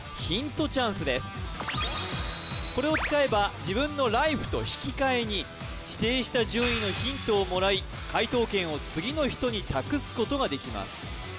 これを使えば自分のライフと引き換えに指定した順位のヒントをもらい解答権を次の人に託すことができます